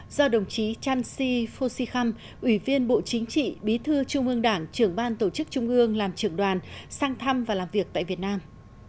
do đồng chí chan si phô si khăm ủy viên bộ chính trị bí thư trung ương đảng trưởng ban tổ chức trung ương làm trưởng đoàn sang thăm và làm việc tại việt nam